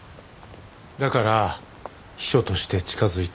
だから秘書として近づいた。